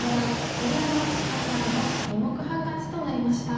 鶴山淳志八段の２目半勝ちとなりました。